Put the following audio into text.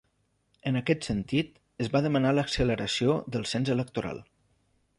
En aquest sentit, es va demanar l'acceleració del cens electoral.